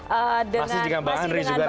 masih dengan bang andri juga nanti